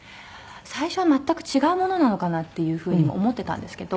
最初は全く違うものなのかなっていう風にも思ってたんですけど。